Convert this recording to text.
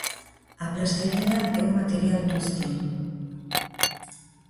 A plastilina é un material dúctil.